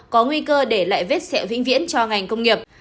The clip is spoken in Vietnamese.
có nguy cơ để lại vết xẹo vĩnh viễn cho ngành công nghiệp